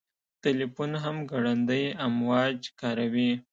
تلیفون هم ګړندي امواج کاروي.